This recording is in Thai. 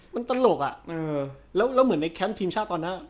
มันตลกอ่ะอืมแล้วแล้วเหมือนในแคมป์ทีมชาติตอนนั้น